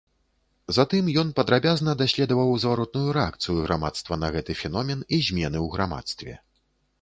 Затым ён падрабязна даследаваў зваротную рэакцыю грамадства на гэты феномен і змены ў грамадстве.